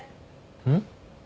うん？